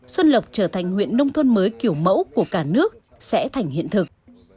xuân lộc trở thành huyện nông thôn mới kiểu mẫu của cả nước sẽ thành hiện thực